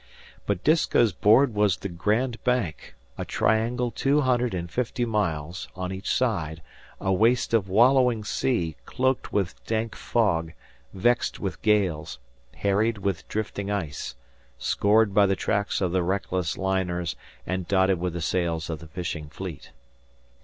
But Disko's board was the Grand Bank a triangle two hundred and fifty miles on each side a waste of wallowing sea, cloaked with dank fog, vexed with gales, harried with drifting ice, scored by the tracks of the reckless liners, and dotted with the sails of the fishing fleet.